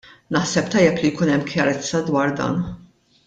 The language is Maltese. Naħseb tajjeb li jkun hemm kjarezza dwar dan.